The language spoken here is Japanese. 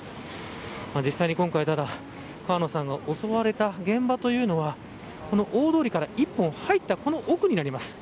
実際に今回川野さんが襲われた現場というのはこの大通りから１本入ったこの奥になります。